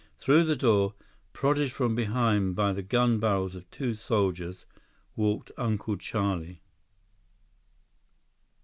Through the door, prodded from behind by the gun barrels of two soldiers, walked Uncle Charlie.